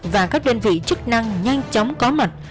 và các đơn vị chức năng nhanh chóng có mặt